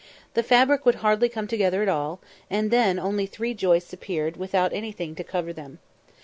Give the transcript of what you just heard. The fabric would hardly come together at all, and then only three joists appeared without anything to cover them.